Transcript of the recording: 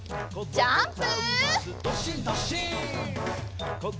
ジャンプ！